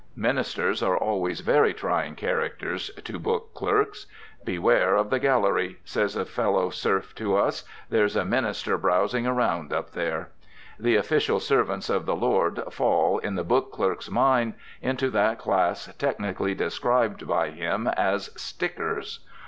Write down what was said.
Ministers are always very trying characters to book clerks. "Beware of the gallery," says a fellow serf to us, "there's a minister browsing around up there." The official servants of the Lord fall, in the book clerk's mind, into that class technically described by him as "stickers."